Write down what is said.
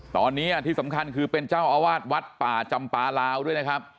ตอนนี้ที่สำคัญคือเป็นเจ้าอาวาสวัดป่าจำปลาลาวด้วยนะครับ